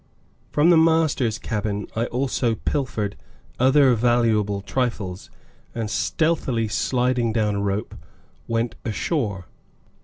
From the master's cabin, I also pilfered other valuable trifles and, stealthily sliding down a rope, went ashore.